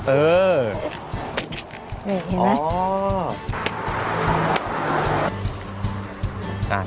เออเห็นไหม